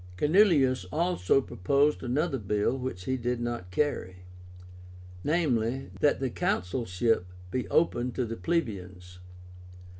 Canuleius also proposed another bill which he did not carry; viz. that the consulship be open to the plebeians.